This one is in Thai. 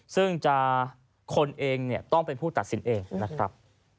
ซึ่งคนเองต้องเป็นผู้ตัดสินเองนะครับ